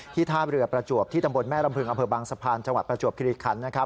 ที่ท่าเรือประจวบที่ตำบลแม่ลำพึงอำเภอบังศัพท์ฉันส์จังหวัดประจวบคิริชคัญ